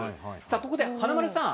ここで華丸さん